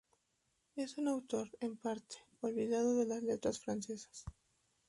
Es un autor, en parte, olvidado de las letras francesas.